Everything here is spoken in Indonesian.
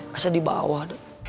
masa di bawah